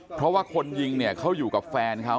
เพราะว่าคนยิงเนี่ยเขาอยู่กับแฟนเขา